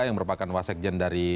yang merupakan wasekjen dari